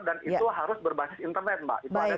dan itu harus berbasis internet mbak